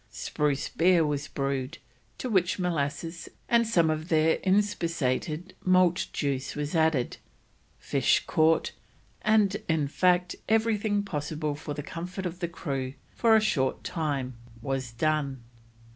Spruce beer was brewed, to which molasses and some of their inspissated malt juice was added, fish caught, and, in fact, everything possible for the comfort of the crew for a short time, was done.